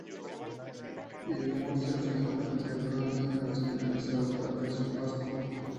Y en Murcia resalta entre todas las operaciones realizadas, la Operación Pascua.